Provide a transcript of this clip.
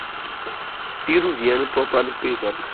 Tiru vian propran pezon.